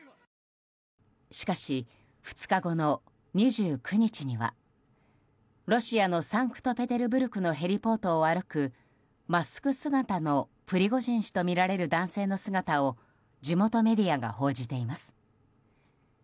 しかし、２日後の２９日にはロシアのサンクトペテルブルクのヘリポートを歩く、マスク姿のプリゴジン氏とみられる男性の姿を地元メディアが報じています。